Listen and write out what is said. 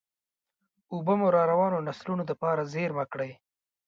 اوبه مو راروانو نسلونو دپاره زېرمه کړئ.